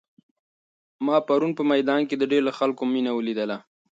ما پرون په میدان کې د ډېرو خلکو مینه ولیده.